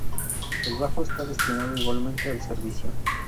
El bajo estaba destinado, igualmente, al servicio.